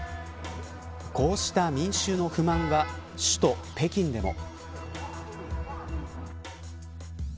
こうした民衆の不満は首都、北京でも。